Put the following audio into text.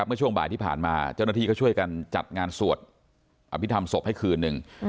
เมื่อช่วงบ่ายที่ผ่านมาเจ้าหน้าที่ก็ช่วยกันจัดงานสวดอภิษฐรรมศพให้คืนหนึ่ง